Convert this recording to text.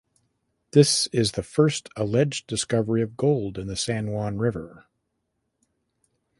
This is the first alleged discovery of gold in the San Juan River.